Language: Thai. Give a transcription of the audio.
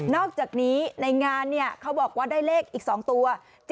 อกจากนี้ในงานเขาบอกว่าได้เลขอีก๒ตัว